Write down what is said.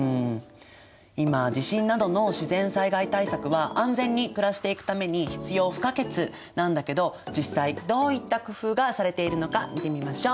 今地震などの自然災害対策は安全に暮らしていくために必要不可欠なんだけど実際どういった工夫がされているのか見てみましょう！